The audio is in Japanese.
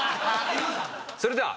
それでは。